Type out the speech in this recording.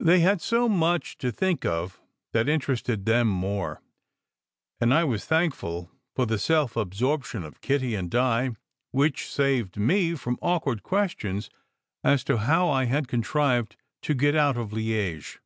They had so much to think of that interested them more; and I was thankful for the self absorption of Kitty and Di which saved me from awkward questions as to how I had contrived to get out of Liege.